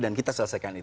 dan kita selesaikan itu